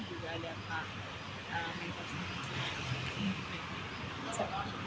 juga ada pak menko